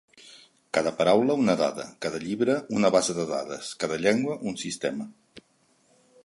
Cada paraula, una dada; cada llibre, una base de dades; cada llengua, un sistema.